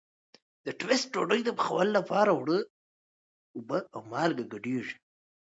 د ټوسټ ډوډۍ پخولو لپاره اوړه اوبه او مالګه ګډېږي.